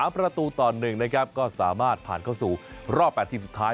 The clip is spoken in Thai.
ประตูต่อ๑นะครับก็สามารถผ่านเข้าสู่รอบ๘ทีมสุดท้าย